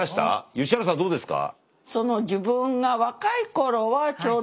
吉原さんどうですか？